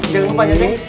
oke bapaknya ceng